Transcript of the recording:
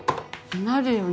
なるよね？